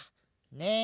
ねえ。